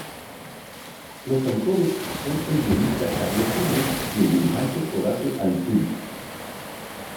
Los autores son el guionista Carlos Trillo y el dibujante Horacio Altuna.